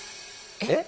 えっ？